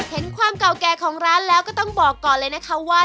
เห็นความเก่าแก่ของร้านแล้วก็ต้องบอกก่อนเลยนะคะว่า